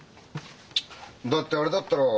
だってあれだったろう。